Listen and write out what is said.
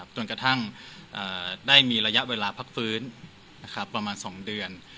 จนกระทั่งได้มีระยะเวลาพักฟื้นประมาณ๒เดือน